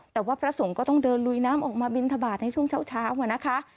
แต่ว่าพระสงฆ์ก็ต้องเดินลุยน้ำออกมาบินทบาทในช่วงเช้านะคะ